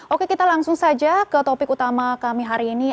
oke kita langsung saja ke topik utama kami hari ini